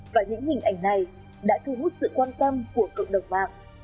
và những hình ảnh này đã thu hút sự quan tâm của cộng đồng mạng